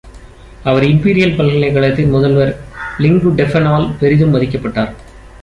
அவர் Imperial பல்கலைக்கழகத்தின் முதல்வர் லிங்கு டெஃபென்-ஆல் பெரிதும் மதிக்கப்பட்டார்.